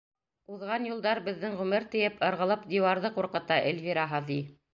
Уҙған юлдар — беҙҙең ғүмер тиеп, Ырғылып диуарҙы ҡурҡыта, Эльвира ҺАҘИ